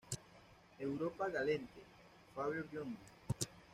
Europa Galante, Fabio Biondi.